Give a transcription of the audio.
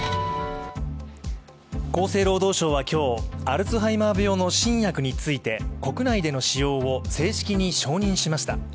厚生労働省は今日、アルツハイマー病の新薬について国内での使用を正式に承認しました。